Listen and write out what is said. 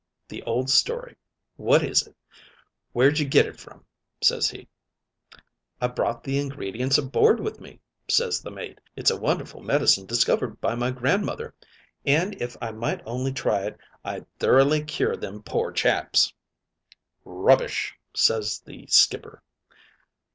The old story. What is it? Where'd you get it from?' ses he. "'I brought the ingredients aboard with me,' ses the mate. 'It's a wonderful medicine discovered by my grandmother, an' if I might only try it I'd thoroughly cure them pore chaps." "'Rubbish!' ses the skipper.